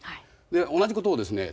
で同じことをですね